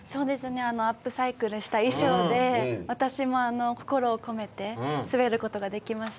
アップサイクルした衣装で私も心を込めて滑ることができました。